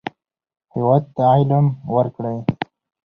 هېواد ته علم ورکړئ